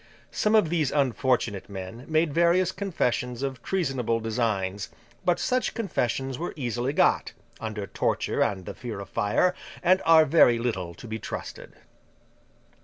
Some of these unfortunate men made various confessions of treasonable designs; but, such confessions were easily got, under torture and the fear of fire, and are very little to be trusted.